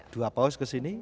dua paus kesini